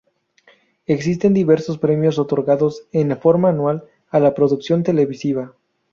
Existen diversos premios otorgados en forma anual a la producción televisiva.